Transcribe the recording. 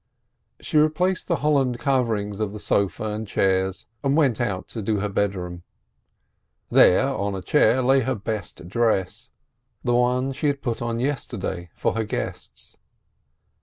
She replaced the holland coverings of the sofa and chairs, and went out to do her bedroom. There, on a chair, lay her best dress, the one she had put on yesterday for her guests.